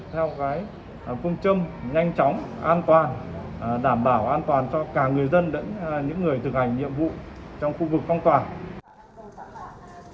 theo phương châm nhanh chóng an toàn đảm bảo an toàn cho cả người dân những người thực hành nhiệm vụ trong khu vực phong tỏa